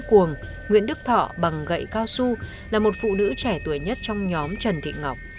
cuồng nguyễn đức thọ bằng gậy cao su là một phụ nữ trẻ tuổi nhất trong nhóm trần thị ngọc